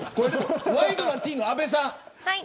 ワイドナティーンの阿部さん。